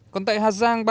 còn tại hà giang